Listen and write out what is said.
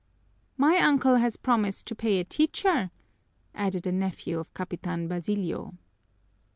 "My uncle has promised to pay a teacher," added a nephew of Capitan Basilio.